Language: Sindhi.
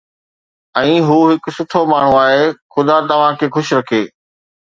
۽ هو هڪ سٺو ماڻهو آهي، خدا توهان کي خوش رکي